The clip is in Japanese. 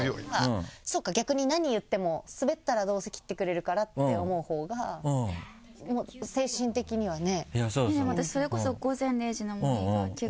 そうか逆に何言ってもスベったらどうせ切ってくれるからって思うほうが精神的にはね。